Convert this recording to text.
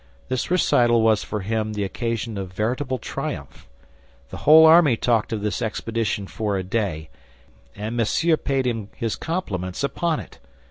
This recital was for him the occasion of veritable triumph. The whole army talked of this expedition for a day, and Monsieur paid him his compliments upon it.